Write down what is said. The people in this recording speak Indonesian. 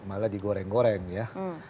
malah digoreng goreng ya